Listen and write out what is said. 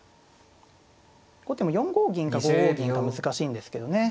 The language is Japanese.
後手も４五銀か５五銀か難しいんですけどね。